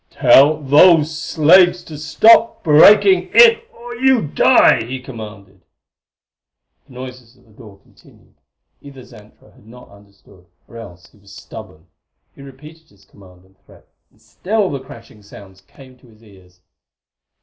"Tell those slaves to stop breaking in or you die!" he commanded. The noises at the door continued. Either Xantra had not understood, or else he was stubborn. He repeated his command and threat, and still the crashing sounds came to his ears.